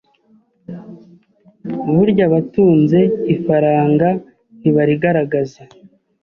Burya abatunze ifaranga ntibarigaragaza